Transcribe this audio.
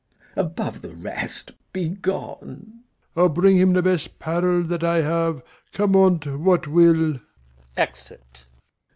Above the rest, be gone. Old Man. I'll bring him the best 'parel that I have, Come on't what will. Exit.